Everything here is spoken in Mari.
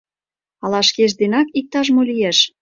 Ала шкеж денак иктаж-мо лиеш?..